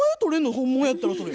本物やったらそれ。